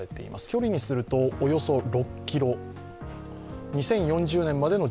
距離にするとおよそ６ｋｍです。